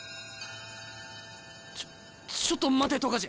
ちょちょっと待て冨樫。